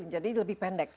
jadi lebih pendek